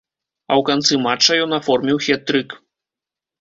А ў канцы матча ён аформіў хет-трык.